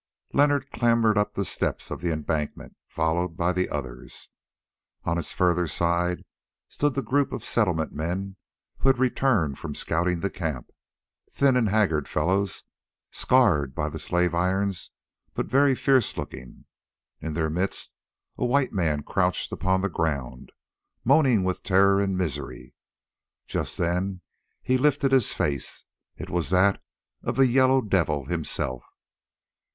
Leonard clambered up the steps of the embankment, followed by the others. On its further side stood the group of Settlement men who had returned from scouring the camp, thin and haggard fellows, scarred by the slave irons, but very fierce looking. In their midst a white man crouched upon the ground, moaning with terror and misery. Just then he lifted his face—it was that of the Yellow Devil himself.